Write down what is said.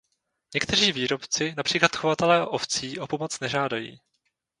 Někteří výrobci, například chovatelé ovcí, o pomoc nežádají.